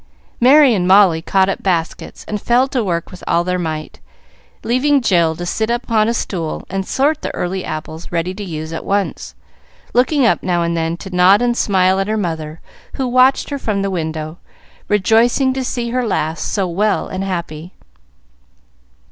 Merry and Molly caught up baskets and fell to work with all their might, leaving Jill to sit upon a stool and sort the early apples ready to use at once, looking up now and then to nod and smile at her mother who watched her from the window, rejoicing to see her lass so well and happy.